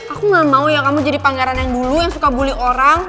aku gak mau ya kamu jadi pangeran yang dulu yang suka bully orang